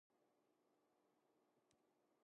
雨が降ると暖かくなります。